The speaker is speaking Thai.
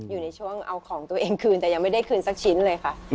อยู่ในช่วงเอาของตัวเองคืนแต่ยังไม่ได้คืนสักชิ้นเลยค่ะ